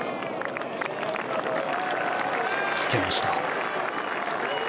つけました。